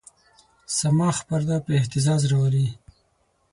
صماخ پرده په اهتزاز راولي.